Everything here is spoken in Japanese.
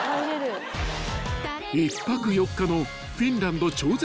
［１泊４日のフィンランド超絶